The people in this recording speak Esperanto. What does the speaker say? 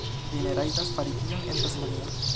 Vi ne rajtas fari tion en Tasmanio.